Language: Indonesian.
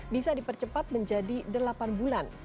bisa dipercepat menjadi delapan bulan